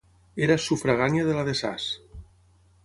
Era sufragània de la de Sas.